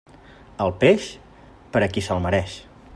El peix, per a qui se'l mereix.